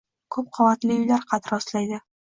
Koʻp qavatli uylar qad rostlaydi